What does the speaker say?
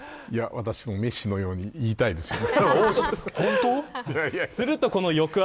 私もメッシのように言いたいですね。